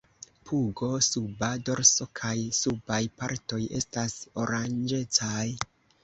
Pugo, suba dorso kaj subaj partoj estas oranĝecaj.